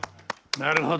なるほど。